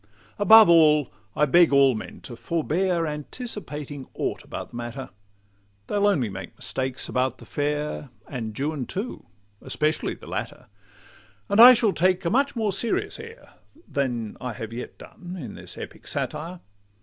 Above all, I beg all men to forbear Anticipating aught about the matter: They'll only make mistakes about the fair, And Juan too, especially the latter. And I shall take a much more serious air Than I have yet done, in this epic satire.